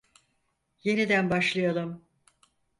Yeniden başlayalım.